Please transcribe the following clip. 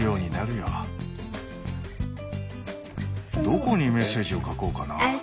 どこにメッセージを書こうかな？